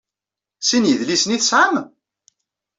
Sin n yidlisen ay tesɛam?